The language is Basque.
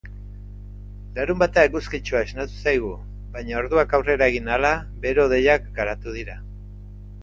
Larunbata eguzkitsua esnatu zaigu baina orduak aurrera egin ahala, bero-hodeiak garatu dira.